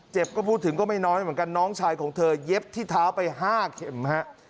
ก็พูดถึงก็ไม่น้อยเหมือนกันน้องชายของเธอเย็บที่เท้าไป๕เข็มฮะ